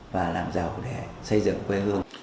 và làm giàu để xây dựng quê hương